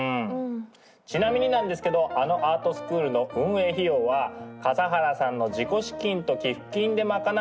ちなみになんですけどあのアートスクールの運営費用は笠原さんの自己資金と寄付金で賄われているんです。